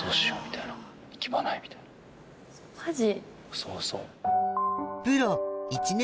そうそう。